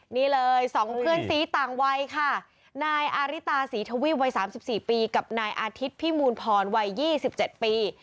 นี่เลย๒เพื่อนสีต่างวัยค่ะนายอาริตาศรีทวีปวัย๓๔ปีกับนายอาทิตย์พิมูลพรวัย๒๗ปี